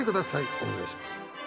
お願いします。